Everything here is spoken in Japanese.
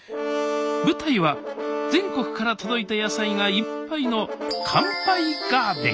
舞台は全国から届いた野菜がいっぱいの「乾杯ガーデン」。